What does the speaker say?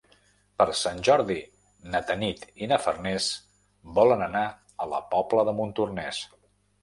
Per Sant Jordi na Tanit i na Farners volen anar a la Pobla de Montornès.